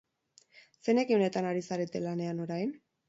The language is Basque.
Zein ekimenetan ari zarete lanean orain?